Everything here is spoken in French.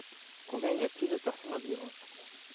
Combien y a-t-il de personnes environ ?